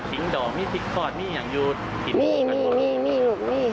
กาล่ามัยยังใช่หรอ